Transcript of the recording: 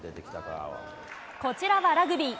こちらはラグビー。